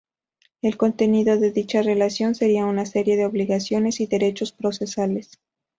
El contenido de dicha relación será una serie de obligaciones y derechos procesales.